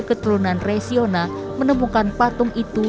keturunan resiona menemukan patung itu